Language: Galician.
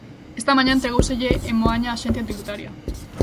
Esta mañá entregóuselle en Moaña á Axencia Tributaria.